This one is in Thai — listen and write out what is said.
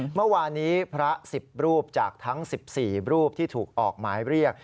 เมื่อวานนี้พระ๑๐รูปจากทั้ง๑๔รูปที่ถูกออกหมายเรียก